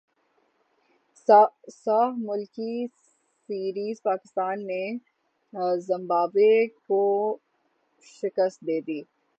سہ ملکی سیریزپاکستان نے زمبابوے کو شکست دیدی